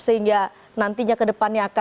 sehingga nantinya ke depannya akan